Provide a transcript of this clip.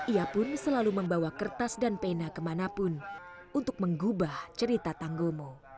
ia pun selalu membawa kertas dan pena kemanapun untuk menggubah cerita tanggomo